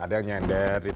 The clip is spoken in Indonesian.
ada yang nyender